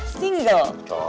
jelas dia itu belum nikah single